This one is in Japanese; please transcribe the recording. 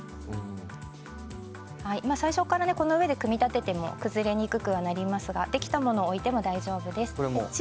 最初からこの上で組み立てて崩れにくくなりますができたものを置いても大丈夫です。